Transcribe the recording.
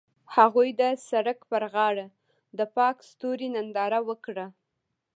هغوی د سړک پر غاړه د پاک ستوري ننداره وکړه.